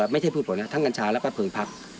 พูดผลนะทั้งกัญชาแล้วก็เพลิงพัก